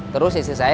terus istri saya